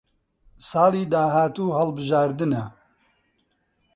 ساڵی داهاتوو هەڵبژاردنە.